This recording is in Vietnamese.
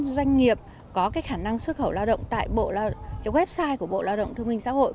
doanh nghiệp có khả năng xuất khẩu lao động trong website của bộ lao động thương minh xã hội